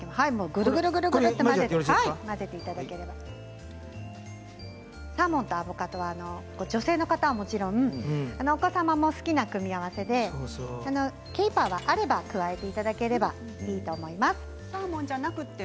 ぐるぐると混ぜていただければサーモンとアボカドは女性の方はもちろんお子様も好きな組み合わせでケイパーはあれば加えていただければいいと思います。